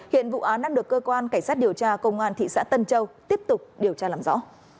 hiện vụ án đang được cơ quan cảnh sát điều tra công an thị xã tân châu tiếp tục điều tra làm rõ